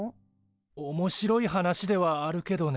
おもしろい話ではあるけどね。